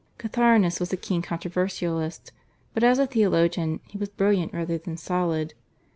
Catharinus was a keen controversialist, but as a theologian he was brilliant rather than solid.